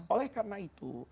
oleh karena itu